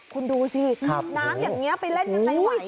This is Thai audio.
คุณดูสิน้ำอย่างนี้ไปเล่นยังไงไหว